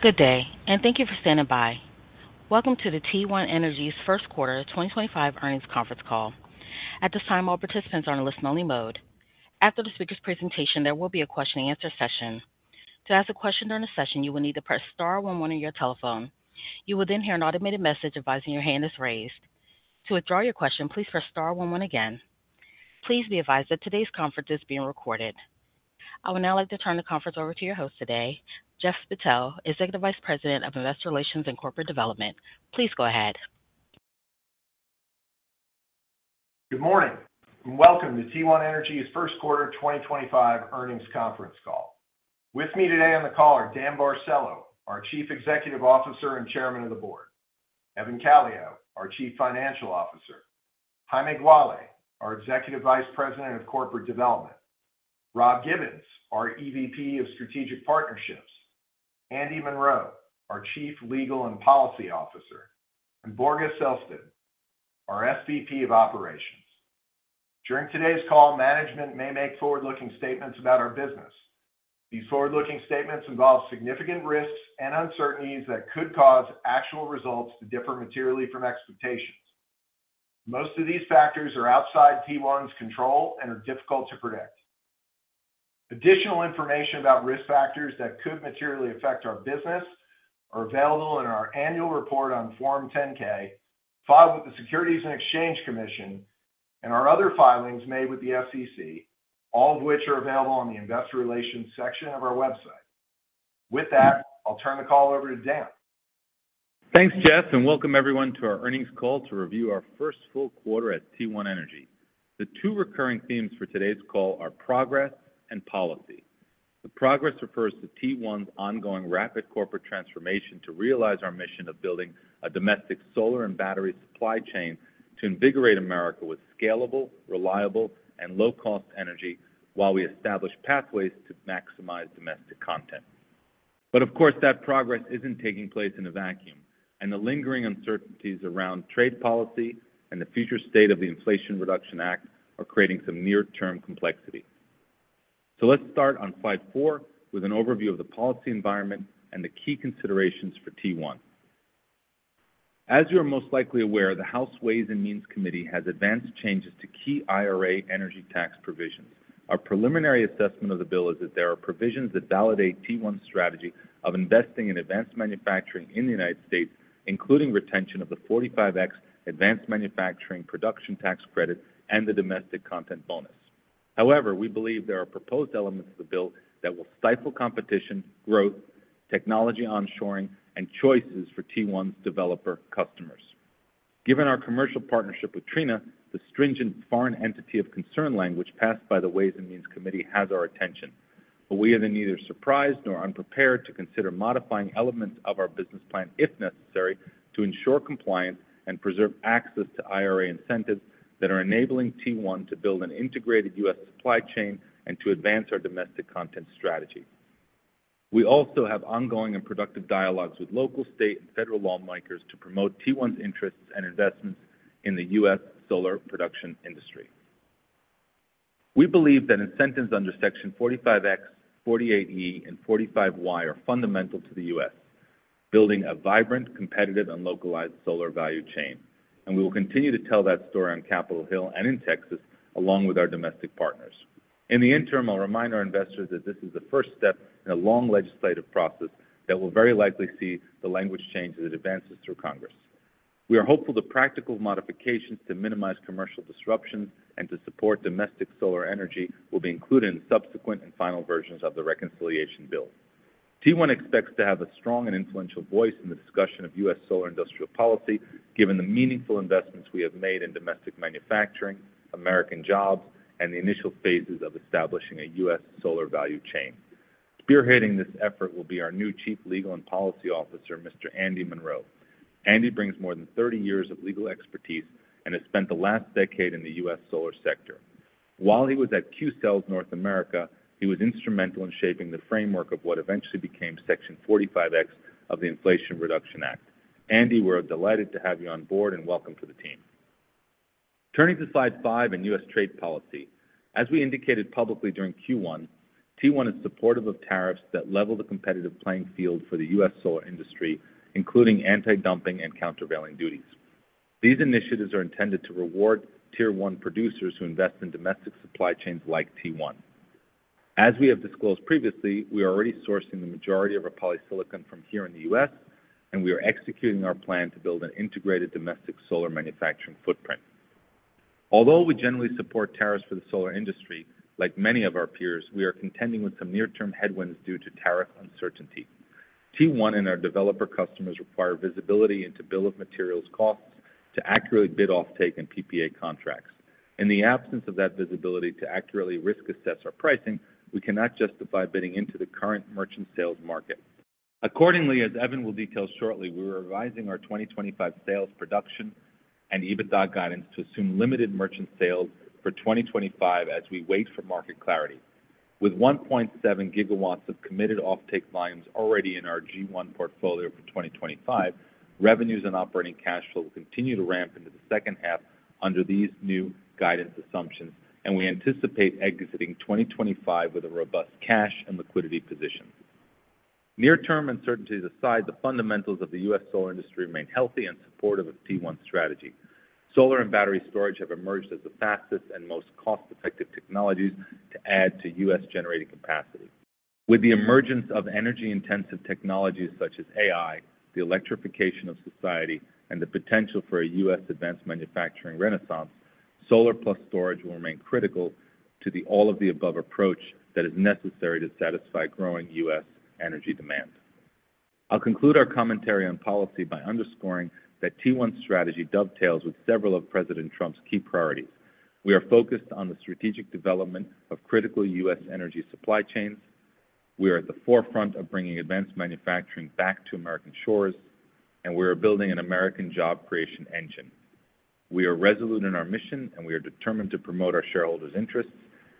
Good day, and thank you for standing by. Welcome to the T1 Energy's first quarter 2025 earnings conference call. At this time, all participants are in listen-only mode. After the speaker's presentation, there will be a question-and-answer session. To ask a question during the session, you will need to press star 11 on your telephone. You will then hear an automated message advising your hand is raised. To withdraw your question, please press star 11 again. Please be advised that today's conference is being recorded. I would now like to turn the conference over to your host today, Jeff Spittel, Executive Vice President of Investor Relations and Corporate Development. Please go ahead. Good morning, and welcome to T1 Energy's first quarter 2025 earnings conference call. With me today on the call are Dan Barcelo, our Chief Executive Officer and Chairman of the Board; Evan Calio, our Chief Financial Officer; Jaime Gualy, our Executive Vice President of Corporate Development; Rob Gibbons, our EVP of Strategic Partnerships; Andy Munro, our Chief Legal and Policy Officer; and Borja Sellsted, our SVP of Operations. During today's call, management may make forward-looking statements about our business. These forward-looking statements involve significant risks and uncertainties that could cause actual results to differ materially from expectations. Most of these factors are outside T1's control and are difficult to predict. Additional information about risk factors that could materially affect our business are available in our annual report on Form 10-K, filed with the Securities and Exchange Commission, and our other filings made with the SEC, all of which are available on the Investor Relations section of our website. With that, I'll turn the call over to Dan. Thanks, Jeff, and welcome everyone to our earnings call to review our first full quarter at T1 Energy. The two recurring themes for today's call are progress and policy. The progress refers to T1's ongoing rapid corporate transformation to realize our mission of building a domestic solar and battery supply chain to invigorate America with scalable, reliable, and low-cost energy while we establish pathways to maximize domestic content. Of course, that progress is not taking place in a vacuum, and the lingering uncertainties around trade policy and the future state of the Inflation Reduction Act are creating some near-term complexity. Let's start on slide four with an overview of the policy environment and the key considerations for T1. As you are most likely aware, the House Ways and Means Committee has advanced changes to key IRA energy tax provisions. Our preliminary assessment of the bill is that there are provisions that validate T1's strategy of investing in advanced manufacturing in the United States, including retention of the 45X advanced manufacturing production tax credit and the domestic content bonus. However, we believe there are proposed elements of the bill that will stifle competition, growth, technology onshoring, and choices for T1's developer customers. Given our commercial partnership with Trina, the stringent foreign entity of concern language passed by the Ways and Means Committee has our attention, but we are neither surprised nor unprepared to consider modifying elements of our business plan if necessary to ensure compliance and preserve access to IRA incentives that are enabling T1 to build an integrated U.S. supply chain and to advance our domestic content strategy. We also have ongoing and productive dialogues with local, state, and federal lawmakers to promote T1's interests and investments in the U.S. solar production industry. We believe that incentives under Section 45X, 48E, and 45Y are fundamental to the U.S. building a vibrant, competitive, and localized solar value chain, and we will continue to tell that story on Capitol Hill and in Texas along with our domestic partners. In the interim, I'll remind our investors that this is the first step in a long legislative process that will very likely see the language change as it advances through Congress. We are hopeful the practical modifications to minimize commercial disruptions and to support domestic solar energy will be included in subsequent and final versions of the reconciliation bill. T1 expects to have a strong and influential voice in the discussion of U.S. Solar industrial policy, given the meaningful investments we have made in domestic manufacturing, American jobs, and the initial phases of establishing a U.S. solar value chain. Spearheading this effort will be our new Chief Legal and Policy Officer, Mr. Andy Munro. Andy brings more than 30 years of legal expertise and has spent the last decade in the U.S. solar sector. While he was at Qcells North America, he was instrumental in shaping the framework of what eventually became Section 45X of the Inflation Reduction Act. Andy, we're delighted to have you on board and welcome to the team. Turning to slide five in U.S. trade policy, as we indicated publicly during Q1, T1 is supportive of tariffs that level the competitive playing field for the U.S. solar industry, including anti-dumping and countervailing duties. These initiatives are intended to reward Tier 1 producers who invest in domestic supply chains like T1. As we have disclosed previously, we are already sourcing the majority of our polysilicon from here in the U.S., and we are executing our plan to build an integrated domestic solar manufacturing footprint. Although we generally support tariffs for the solar industry, like many of our peers, we are contending with some near-term headwinds due to tariff uncertainty. T1 and our developer customers require visibility into bill of materials costs to accurately bid off-take and PPA contracts. In the absence of that visibility to accurately risk assess our pricing, we cannot justify bidding into the current merchant sales market. Accordingly, as Evan will detail shortly, we are revising our 2025 sales production and EBITDA guidance to assume limited merchant sales for 2025 as we wait for market clarity. With 1.7 gigawatts of committed off-take volumes already in our G1 portfolio for 2025, revenues and operating cash flow will continue to ramp into the second half under these new guidance assumptions, and we anticipate exiting 2025 with a robust cash and liquidity position. Near-term uncertainties aside, the fundamentals of the U.S. solar industry remain healthy and supportive of T1's strategy. Solar and battery storage have emerged as the fastest and most cost-effective technologies to add to U.S. generating capacity. With the emergence of energy-intensive technologies such as AI, the electrification of society, and the potential for a U.S. advanced manufacturing renaissance, solar plus storage will remain critical to the all-of-the-above approach that is necessary to satisfy growing U.S. energy demand. I'll conclude our commentary on policy by underscoring that T1's strategy dovetails with several of President Trump's key priorities. We are focused on the strategic development of critical U.S. energy supply chains. We are at the forefront of bringing advanced manufacturing back to American shores, and we are building an American job creation engine. We are resolute in our mission, and we are determined to promote our shareholders' interests,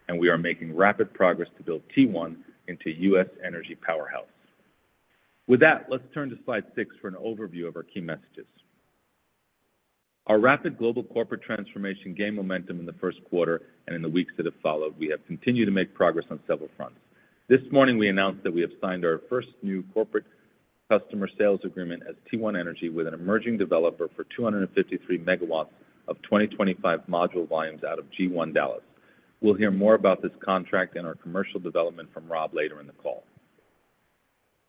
and we are making rapid progress to build T1 into a U.S. energy powerhouse. With that, let's turn to slide six for an overview of our key messages. Our rapid global corporate transformation gained momentum in the first quarter and in the weeks that have followed. We have continued to make progress on several fronts. This morning, we announced that we have signed our first new corporate customer sales agreement as T1 Energy with an emerging developer for 253 MW of 2025 module volumes out of G1 Dallas. We'll hear more about this contract and our commercial development from Rob later in the call.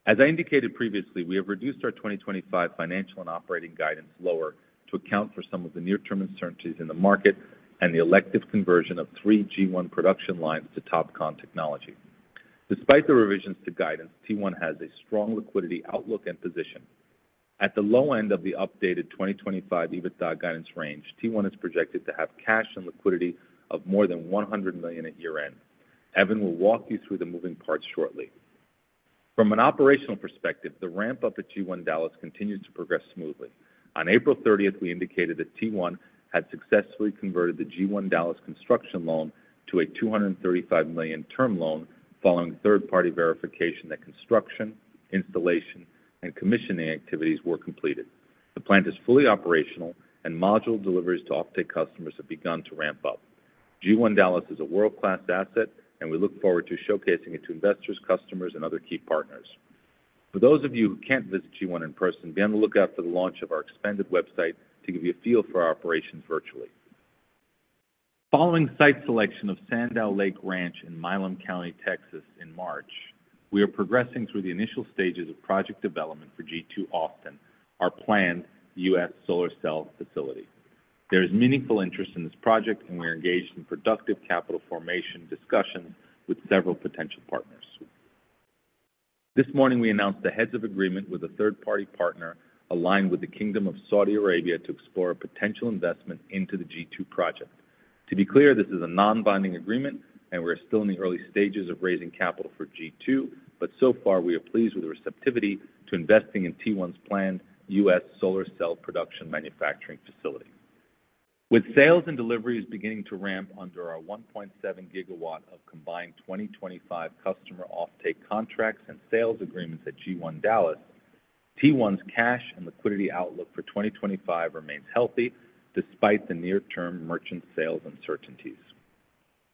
As I indicated previously, we have reduced our 2025 financial and operating guidance lower to account for some of the near-term uncertainties in the market and the elective conversion of three G1 production lines to Topcon technology. Despite the revisions to guidance, T1 has a strong liquidity outlook and position. At the low end of the updated 2025 EBITDA guidance range, T1 is projected to have cash and liquidity of more than $100 million at year-end. Evan will walk you through the moving parts shortly. From an operational perspective, the ramp-up at G1 Dallas continues to progress smoothly. On April 30th, we indicated that T1 had successfully converted the G1 Dallas construction loan to a $235 million term loan following third-party verification that construction, installation, and commissioning activities were completed. The plant is fully operational, and module deliveries to off-take customers have begun to ramp up. G1 Dallas is a world-class asset, and we look forward to showcasing it to investors, customers, and other key partners. For those of you who can't visit G1 in person, be on the lookout for the launch of our expanded website to give you a feel for our operations virtually. Following site selection of Sandow Lake Ranch in Milam County, Texas, in March, we are progressing through the initial stages of project development for G2 Austin, our planned U.S. solar cell facility. There is meaningful interest in this project, and we are engaged in productive capital formation discussions with several potential partners. This morning, we announced the heads of agreement with a third-party partner aligned with the Kingdom of Saudi Arabia to explore a potential investment into the G2 project. To be clear, this is a non-binding agreement, and we are still in the early stages of raising capital for G2, but so far, we are pleased with the receptivity to investing in T1's planned U.S. solar cell production manufacturing facility. With sales and deliveries beginning to ramp under our 1.7 gigawatt of combined 2025 customer off-take contracts and sales agreements at G1 Dallas, T1's cash and liquidity outlook for 2025 remains healthy despite the near-term merchant sales uncertainties.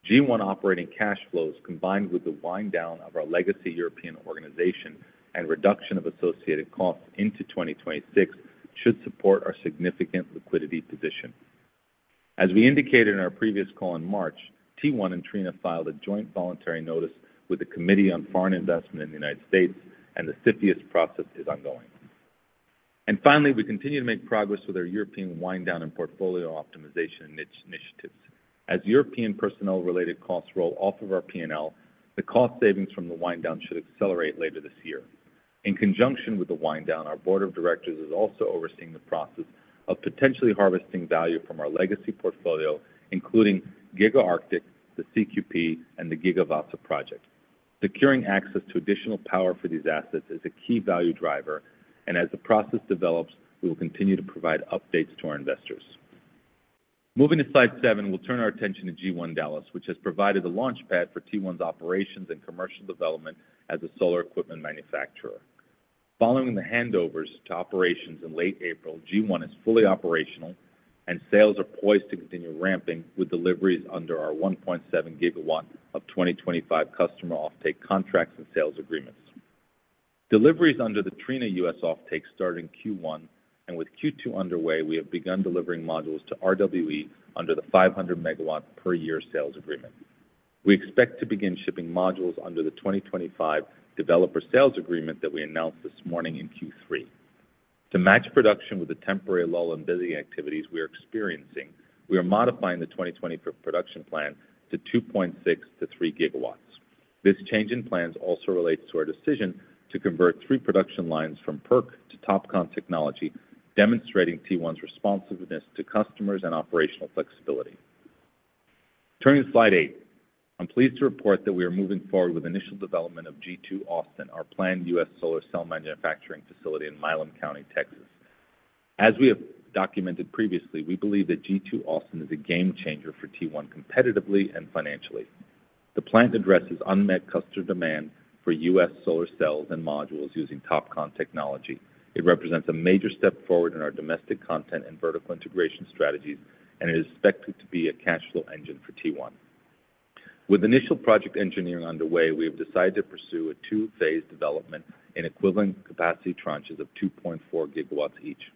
G1 operating cash flows, combined with the wind-down of our legacy European organization and reduction of associated costs into 2026, should support our significant liquidity position. As we indicated in our previous call in March, T1 and Trina filed a joint voluntary notice with the Committee on Foreign Investment in the United States, and the CFIUS process is ongoing. We continue to make progress with our European wind-down and portfolio optimization initiatives. As European personnel-related costs roll off of our P&L, the cost savings from the wind-down should accelerate later this year. In conjunction with the wind-down, our Board of Directors is also overseeing the process of potentially harvesting value from our legacy portfolio, including Giga Arctic, the CQP, and the Gigavaasa project. Securing access to additional power for these assets is a key value driver, and as the process develops, we will continue to provide updates to our investors. Moving to slide seven, we will turn our attention to G1 Dallas, which has provided a launchpad for T1's operations and commercial development as a solar equipment manufacturer. Following the handovers to operations in late April, G1 is fully operational, and sales are poised to continue ramping with deliveries under our 1.7 gigawatt of 2025 customer off-take contracts and sales agreements. Deliveries under the Trina U.S. off-take start in Q1, and with Q2 underway, we have begun delivering modules to RWE under the 500 megawatt per year sales agreement. We expect to begin shipping modules under the 2025 developer sales agreement that we announced this morning in Q3. To match production with the temporary lull in busy activities we are experiencing, we are modifying the 2025 production plan to 2.6-3 gigawatts. This change in plans also relates to our decision to convert three production lines from PERC to Topcon technology, demonstrating T1's responsiveness to customers and operational flexibility. Turning to slide eight, I'm pleased to report that we are moving forward with initial development of G2 Austin, our planned U.S. solar cell manufacturing facility in Milam County, Texas. As we have documented previously, we believe that G2 Austin is a game changer for T1 competitively and financially. The plant addresses unmet customer demand for U.S. solar cells and modules using Topcon technology. It represents a major step forward in our domestic content and vertical integration strategies, and it is expected to be a cash flow engine for T1. With initial project engineering underway, we have decided to pursue a two-phase development in equivalent capacity tranches of 2.4 gigawatts each.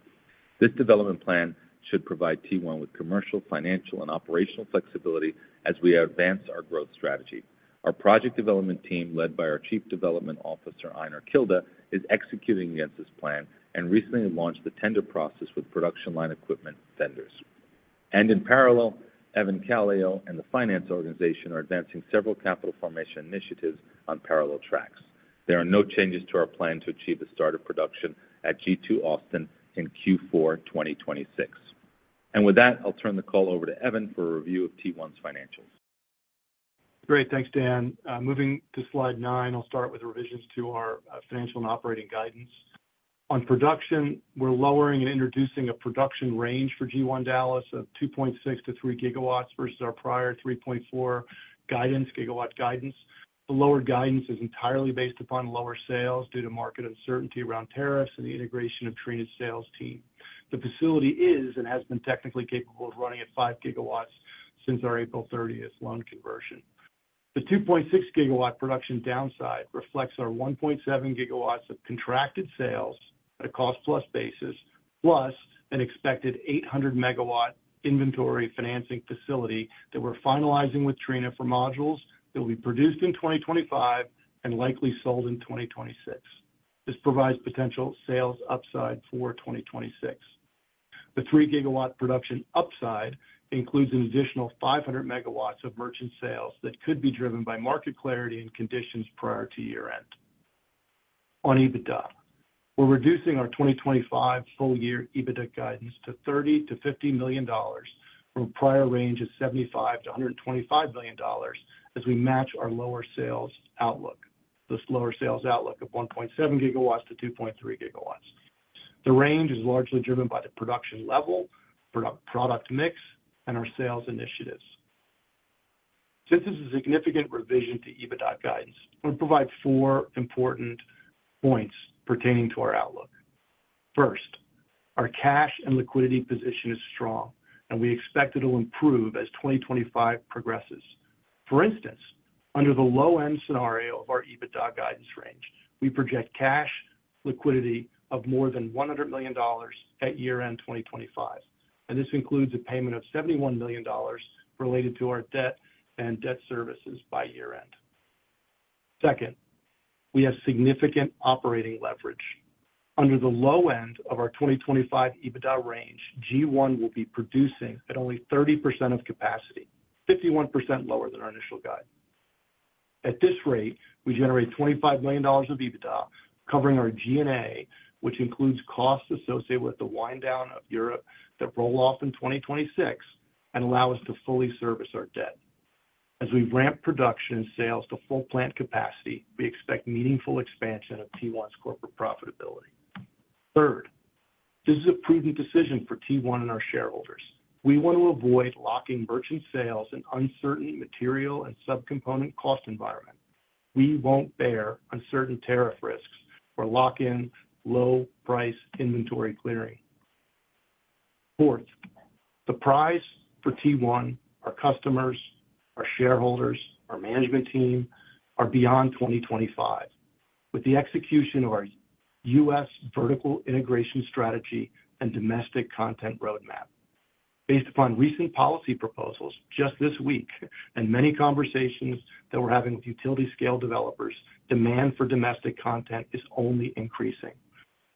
This development plan should provide T1 with commercial, financial, and operational flexibility as we advance our growth strategy. Our project development team, led by our Chief Development Officer, Einer Kilde, is executing against this plan and recently launched the tender process with production line equipment vendors. In parallel, Evan Calio and the finance organization are advancing several capital formation initiatives on parallel tracks. There are no changes to our plan to achieve the start of production at G2 Austin in Q4 2026. With that, I'll turn the call over to Evan for a review of T1's financials. Great. Thanks, Dan. Moving to slide nine, I'll start with revisions to our financial and operating guidance. On production, we're lowering and introducing a production range for G1 Dallas of 2.63 gigawatts versus our prior 3.4 gigawatt guidance. The lowered guidance is entirely based upon lower sales due to market uncertainty around tariffs and the integration of Trina's sales team. The facility is and has been technically capable of running at 5 gigawatts since our April 30 loan conversion. The 2.6 gigawatt production downside reflects our 1.7 gigawatts of contracted sales at a cost-plus basis, plus an expected 800 megawatt inventory financing facility that we're finalizing with Trina for modules that will be produced in 2025 and likely sold in 2026. This provides potential sales upside for 2026. The 3 gigawatt production upside includes an additional 500 megawatts of merchant sales that could be driven by market clarity and conditions prior to year-end. On EBITDA, we're reducing our 2025 full-year EBITDA guidance to $30 million-$50 million from a prior range of $75 million-$125 million as we match our lower sales outlook, the slower sales outlook of 1.7 gigawatts to 2.3 gigawatts. The range is largely driven by the production level, product mix, and our sales initiatives. Since this is a significant revision to EBITDA guidance, we'll provide four important points pertaining to our outlook. First, our cash and liquidity position is strong, and we expect it will improve as 2025 progresses. For instance, under the low-end scenario of our EBITDA guidance range, we project cash liquidity of more than $100 million at year-end 2025, and this includes a payment of $71 million related to our debt and debt services by year-end. Second, we have significant operating leverage. Under the low end of our 2025 EBITDA range, G1 will be producing at only 30% of capacity, 51% lower than our initial guide. At this rate, we generate $25 million of EBITDA covering our G&A, which includes costs associated with the wind-down of Europe that roll off in 2026 and allow us to fully service our debt. As we ramp production and sales to full plant capacity, we expect meaningful expansion of T1's corporate profitability. Third, this is a prudent decision for T1 and our shareholders. We want to avoid locking merchant sales in uncertain material and subcomponent cost environment. We will not bear uncertain tariff risks or lock in low-price inventory clearing. Fourth, the prize for T1, our customers, our shareholders, our management team, are beyond 2025 with the execution of our U.S. vertical integration strategy and domestic content roadmap. Based upon recent policy proposals just this week and many conversations that we are having with utility-scale developers, demand for domestic content is only increasing.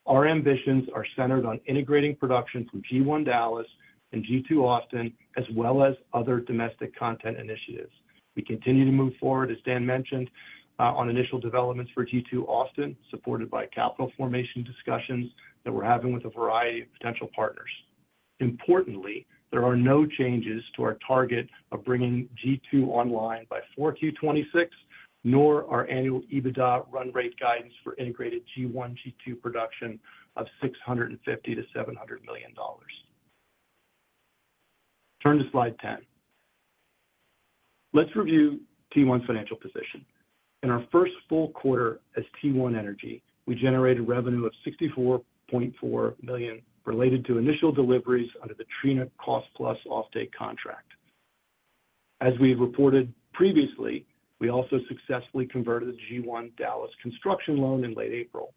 Our ambitions are centered on integrating production from G1 Dallas and G2 Austin, as well as other domestic content initiatives. We continue to move forward, as Dan mentioned, on initial developments for G2 Austin, supported by capital formation discussions that we're having with a variety of potential partners. Importantly, there are no changes to our target of bringing G2 online by 4Q 2026, nor our annual EBITDA run rate guidance for integrated G1, G2 production of $650 million-$700 million. Turn to slide 10. Let's review T1's financial position. In our first full quarter as T1 Energy, we generated revenue of $64.4 million related to initial deliveries under the Trina Cost Plus off-take contract. As we have reported previously, we also successfully converted the G1 Dallas construction loan in late April,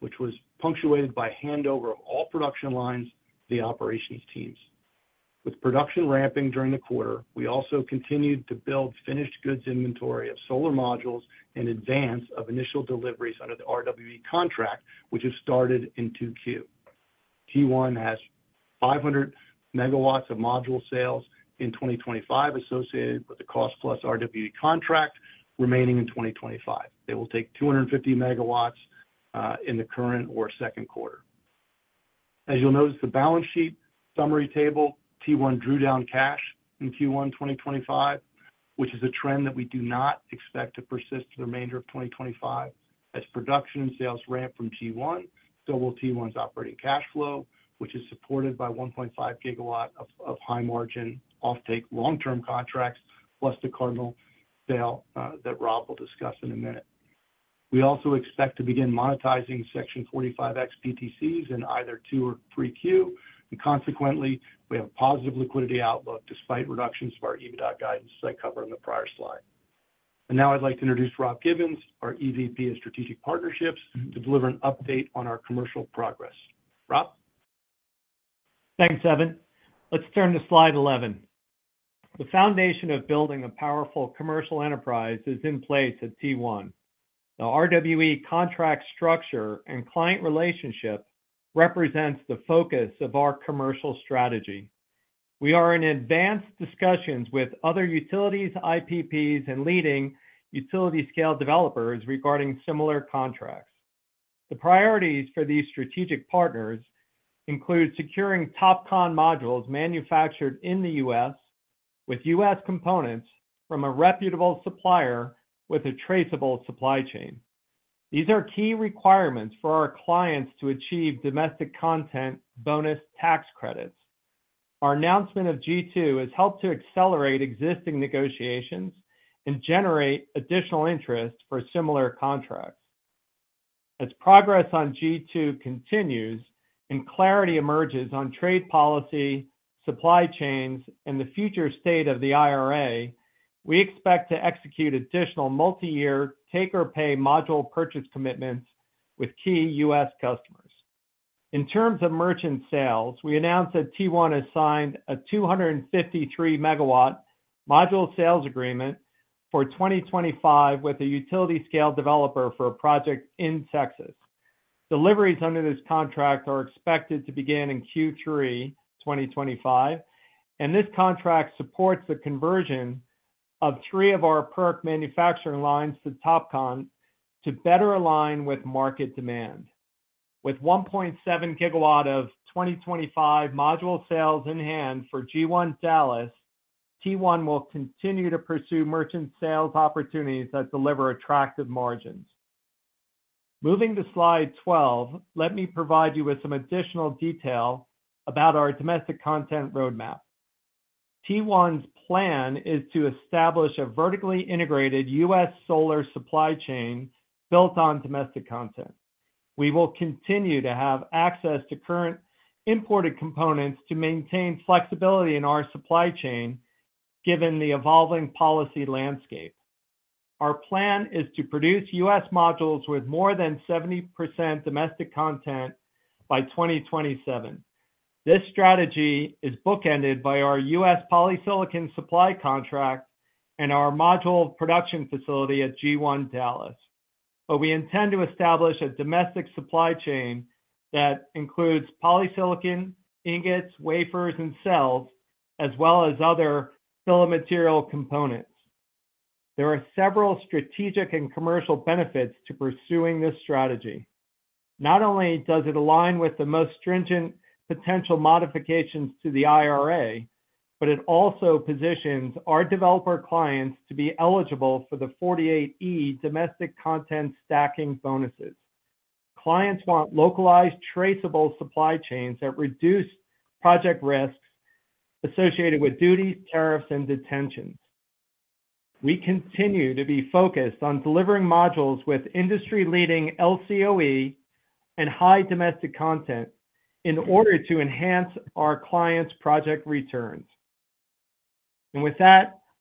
which was punctuated by handover of all production lines to the operations teams. With production ramping during the quarter, we also continued to build finished goods inventory of solar modules in advance of initial deliveries under the RWE contract, which has started in 2Q. T1 has 500 MW of module sales in 2025 associated with the Cost Plus RWE contract remaining in 2025. They will take 250 MW in the current or second quarter. As you'll notice, the balance sheet summary table, T1 drew down cash in Q1 2025, which is a trend that we do not expect to persist the remainder of 2025 as production and sales ramp from G1, so will T1's operating cash flow, which is supported by 1.5 GW of high-margin off-take long-term contracts, plus the Cardinal sale that Rob will discuss in a minute. We also expect to begin monetizing Section 45X PTCs in either 2 or 3Q, and consequently, we have a positive liquidity outlook despite reductions of our EBITDA guidance that I covered on the prior slide. I would like to introduce Rob Gibbons, our EVP of Strategic Partnerships, to deliver an update on our commercial progress. Rob? Thanks, Evan. Let's turn to slide 11. The foundation of building a powerful commercial enterprise is in place at T1. The RWE contract structure and client relationship represents the focus of our commercial strategy. We are in advanced discussions with other utilities, IPPs, and leading utility-scale developers regarding similar contracts. The priorities for these strategic partners include securing Topcon modules manufactured in the U.S. with U.S. components from a reputable supplier with a traceable supply chain. These are key requirements for our clients to achieve domestic content bonus tax credits. Our announcement of G2 has helped to accelerate existing negotiations and generate additional interest for similar contracts. As progress on G2 continues and clarity emerges on trade policy, supply chains, and the future state of the IRA, we expect to execute additional multi-year take-or-pay module purchase commitments with key U.S. customers. In terms of merchant sales, we announced that T1 has signed a 253 MW module sales agreement for 2025 with a utility-scale developer for a project in Texas. Deliveries under this contract are expected to begin in Q3 2025, and this contract supports the conversion of three of our PERC manufacturing lines to Topcon to better align with market demand. With 1.7 GW of 2025 module sales in hand for G1 Dallas, T1 will continue to pursue merchant sales opportunities that deliver attractive margins. Moving to slide 12, let me provide you with some additional detail about our domestic content roadmap. T1's plan is to establish a vertically integrated U.S. solar supply chain built on domestic content. We will continue to have access to current imported components to maintain flexibility in our supply chain given the evolving policy landscape. Our plan is to produce U.S. modules with more than 70% domestic content by 2027. This strategy is bookended by our U.S. polysilicon supply contract and our module production facility at G1 Dallas. We intend to establish a domestic supply chain that includes polysilicon, ingots, wafers, and cells, as well as other phyllomaterial components. There are several strategic and commercial benefits to pursuing this strategy. Not only does it align with the most stringent potential modifications to the IRA, but it also positions our developer clients to be eligible for the 48E domestic content stacking bonuses. Clients want localized, traceable supply chains that reduce project risks associated with duties, tariffs, and detentions. We continue to be focused on delivering modules with industry-leading LCOE and high domestic content in order to enhance our clients' project returns.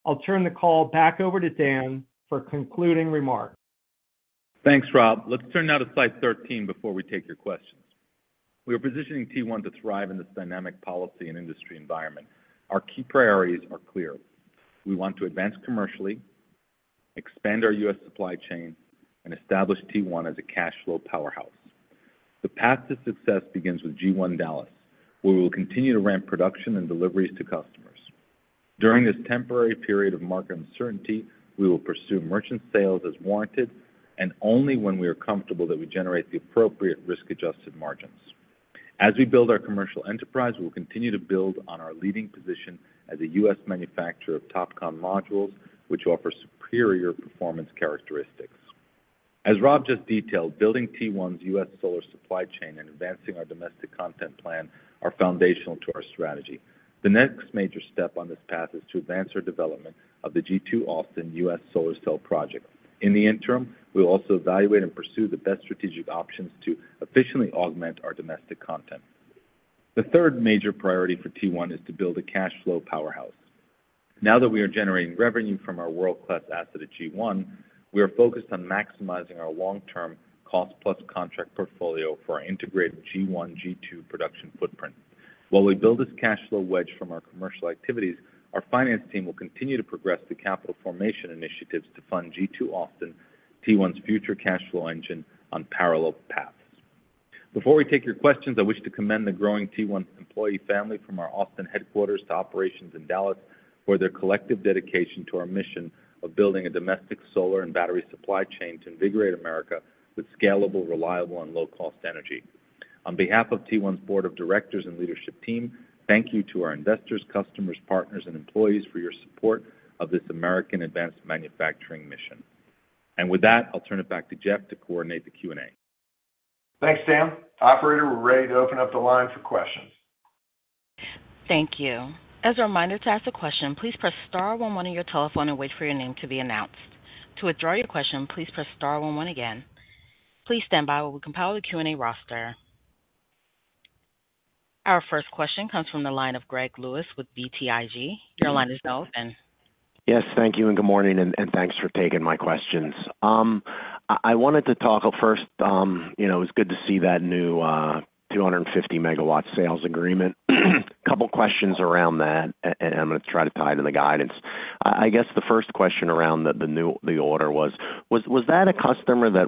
I'll turn the call back over to Dan for concluding remarks. Thanks, Rob. Let's turn now to slide 13 before we take your questions. We are positioning T1 to thrive in this dynamic policy and industry environment. Our key priorities are clear. We want to advance commercially, expand our U.S. supply chain, and establish T1 as a cash flow powerhouse. The path to success begins with G1 Dallas, where we will continue to ramp production and deliveries to customers. During this temporary period of market uncertainty, we will pursue merchant sales as warranted and only when we are comfortable that we generate the appropriate risk-adjusted margins. As we build our commercial enterprise, we will continue to build on our leading position as a U.S. manufacturer of Topcon modules, which offers superior performance characteristics. As Rob just detailed, building T1's U.S. solar supply chain and advancing our domestic content plan are foundational to our strategy. The next major step on this path is to advance our development of the G2 Austin U.S. solar cell project. In the interim, we will also evaluate and pursue the best strategic options to efficiently augment our domestic content. The third major priority for T1 is to build a cash flow powerhouse. Now that we are generating revenue from our world-class asset at G1, we are focused on maximizing our long-term cost-plus contract portfolio for our integrated G1 G2 production footprint. While we build this cash flow wedge from our commercial activities, our finance team will continue to progress the capital formation initiatives to fund G2 Austin, T1's future cash flow engine on parallel paths. Before we take your questions, I wish to commend the growing T1 employee family from our Austin headquarters to operations in Dallas for their collective dedication to our mission of building a domestic solar and battery supply chain to invigorate America with scalable, reliable, and low-cost energy. On behalf of T1's board of directors and leadership team, thank you to our investors, customers, partners, and employees for your support of this American advanced manufacturing mission. With that, I'll turn it back to Jeff to coordinate the Q&A. Thanks, Dan. Operator, we're ready to open up the line for questions. Thank you. As a reminder, to ask a question, please press star 11 on your telephone and wait for your name to be announced. To withdraw your question, please press star 11 again. Please stand by while we compile the Q&A roster. Our first question comes from the line of Greg Lewis with BTIG. Your line is now open. Yes, thank you and good morning and thanks for taking my questions. I wanted to talk first, it was good to see that new 250 MW sales agreement. A couple of questions around that and I'm going to try to tie it in the guidance. I guess the first question around the new order was, was that a customer that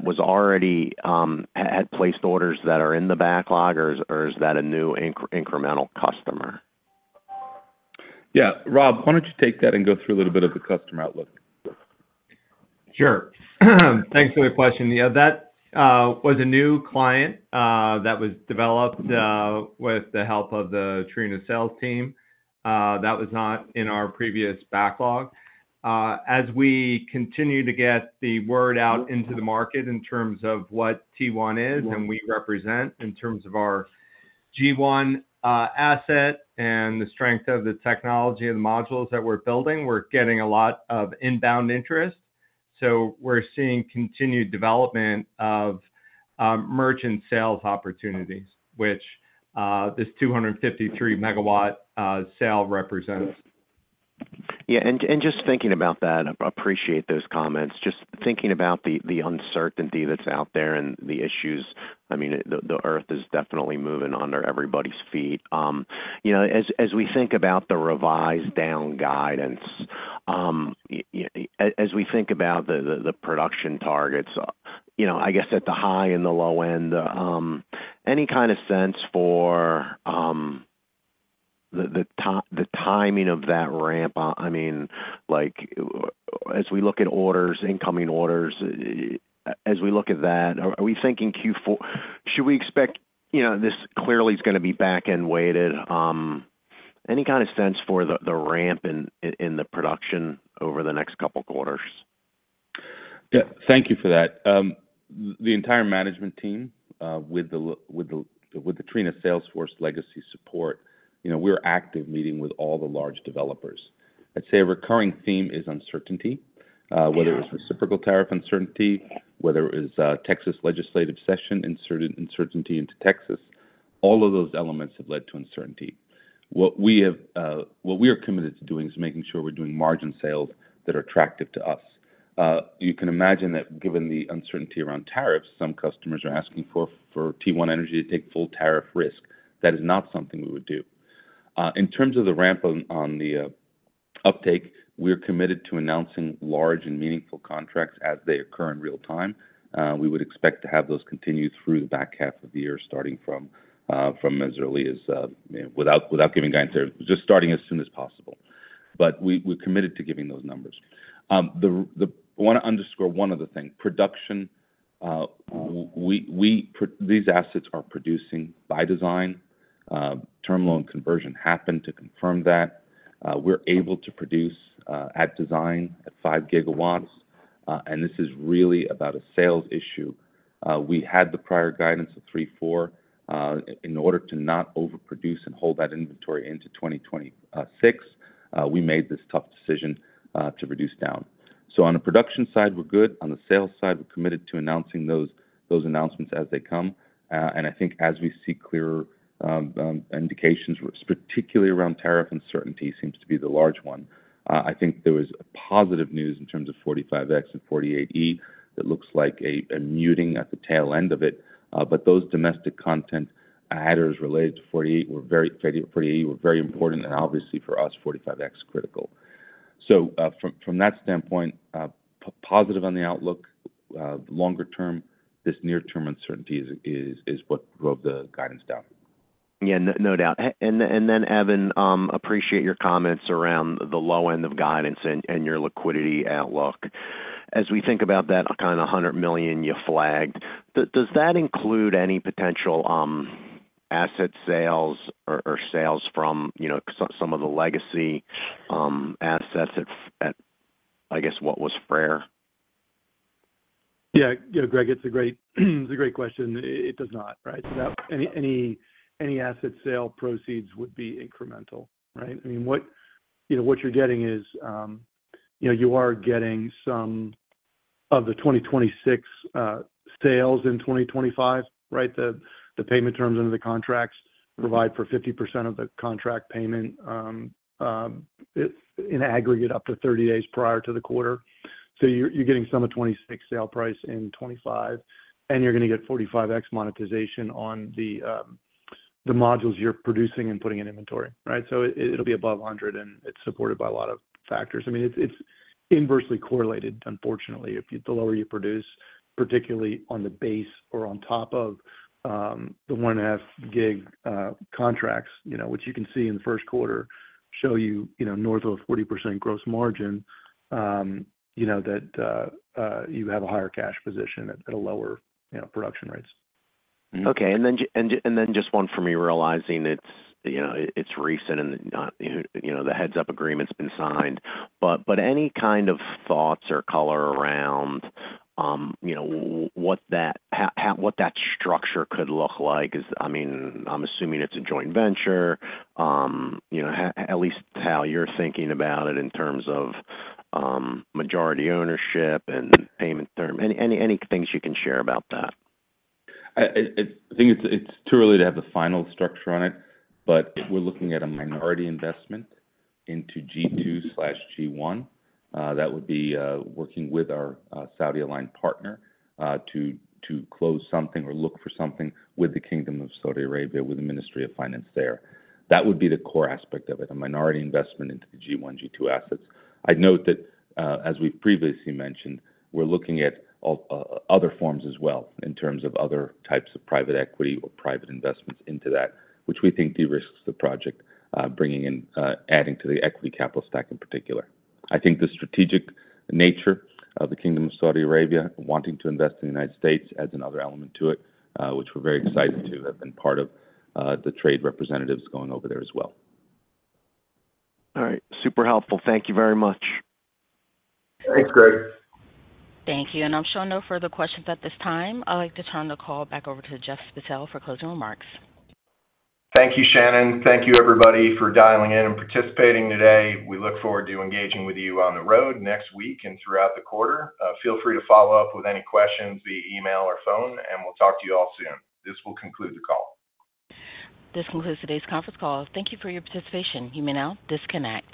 had placed orders that are in the backlog or is that a new incremental customer? Yeah, Rob, why don't you take that and go through a little bit of the customer outlook? Sure. Thanks for the question. Yeah, that was a new client that was developed with the help of the Trina sales team. That was not in our previous backlog. As we continue to get the word out into the market in terms of what T1 is and we represent in terms of our G1 asset and the strength of the technology and the modules that we're building, we're getting a lot of inbound interest. We are seeing continued development of merchant sales opportunities, which this 253 MW sale represents. Yeah, and just thinking about that, I appreciate those comments. Just thinking about the uncertainty that's out there and the issues, I mean, the earth is definitely moving under everybody's feet. As we think about the revised down guidance, as we think about the production targets, I guess at the high and the low end, any kind of sense for the timing of that ramp? I mean, as we look at orders, incoming orders, as we look at that, are we thinking Q4? Should we expect this clearly is going to be back-end weighted? Any kind of sense for the ramp in the production over the next couple of quarters? Yeah, thank you for that. The entire management team with the Trina Salesforce legacy support, we're active meeting with all the large developers. I'd say a recurring theme is uncertainty, whether it's reciprocal tariff uncertainty, whether it is Texas legislative session uncertainty into Texas, all of those elements have led to uncertainty. What we are committed to doing is making sure we're doing margin sales that are attractive to us. You can imagine that given the uncertainty around tariffs, some customers are asking for T1 Energy to take full tariff risk. That is not something we would do. In terms of the ramp on the uptake, we're committed to announcing large and meaningful contracts as they occur in real time. We would expect to have those continue through the back half of the year starting from as early as without giving guidance, just starting as soon as possible. We are committed to giving those numbers. I want to underscore one other thing. Production, these assets are producing by design. Terminal and conversion happened to confirm that. We're able to produce at design at 5 gigawatts, and this is really about a sales issue. We had the prior guidance of 3.4. In order to not overproduce and hold that inventory into 2026, we made this tough decision to reduce down. On the production side, we're good. On the sales side, we're committed to announcing those announcements as they come. I think as we see clearer indications, particularly around tariff uncertainty seems to be the large one. I think there was positive news in terms of 45X and 48E that looks like a muting at the tail end of it. Those domestic content adders related to 48E were very important and obviously for us, 45X critical. From that standpoint, positive on the outlook, longer term, this near-term uncertainty is what drove the guidance down. Yeah, no doubt. Evan, appreciate your comments around the low end of guidance and your liquidity outlook. As we think about that, kind of $100 million you flagged, does that include any potential asset sales or sales from some of the legacy assets at, I guess, what was fair? Yeah, Greg, it's a great question. It does not, right? Any asset sale proceeds would be incremental, right? I mean, what you're getting is you are getting some of the 2026 sales in 2025, right? The payment terms under the contracts provide for 50% of the contract payment in aggregate up to 30 days prior to the quarter. You're getting some of 2026 sale price in 2025, and you're going to get 45X monetization on the modules you're producing and putting in inventory, right? It'll be above $100 million, and it's supported by a lot of factors. I mean, it's inversely correlated, unfortunately, the lower you produce, particularly on the base or on top of the 1.5 GW contracts, which you can see in the first quarter show you north of a 40% gross margin that you have a higher cash position at lower production rates. Okay. And then just one from me realizing it's recent and the heads-up agreement's been signed. Any kind of thoughts or color around what that structure could look like? I mean, I'm assuming it's a joint venture, at least how you're thinking about it in terms of majority ownership and payment term. Any things you can share about that? I think it's too early to have the final structure on it, but we're looking at a minority investment into G2/G1. That would be working with our Saudi-aligned partner to close something or look for something with the Kingdom of Saudi Arabia, with the Ministry of Finance there. That would be the core aspect of it, a minority investment into the G1, G2 assets. I'd note that as we've previously mentioned, we're looking at other forms as well in terms of other types of private equity or private investments into that, which we think de-risks the project bringing in, adding to the equity capital stack in particular. I think the strategic nature of the Kingdom of Saudi Arabia wanting to invest in the United States adds another element to it, which we're very excited to have been part of the trade representatives going over there as well. All right. Super helpful. Thank you very much. Thanks, Greg. Thank you. I'm showing no further questions at this time. I'd like to turn the call back over to Jeff Spittel for closing remarks. Thank you, Shannon. Thank you, everybody, for dialing in and participating today. We look forward to engaging with you on the road next week and throughout the quarter. Feel free to follow up with any questions via email or phone, and we'll talk to you all soon. This will conclude the call. This concludes today's conference call. Thank you for your participation. You may now disconnect.